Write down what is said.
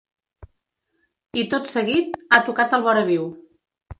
I tot seguit, ha tocat el voraviu.